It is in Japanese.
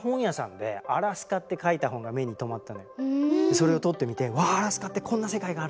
それを取って見てわアラスカってこんな世界があるんだ